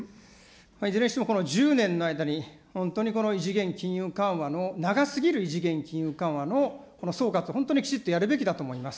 いずれにしてもこの１０年の間に、本当にこの異次元金融緩和の、長すぎる異次元金融緩和の総括、本当にきちっとやるべきだと思います。